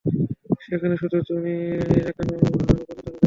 সেখানে তুমি শুধু একা নও আরো পরিচিত অনেকে আছে।